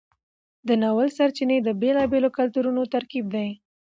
د ناول سرچینې د بیلابیلو کلتورونو ترکیب دی.